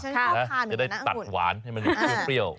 จะได้ตัดหวานให้มันเปรี้ยว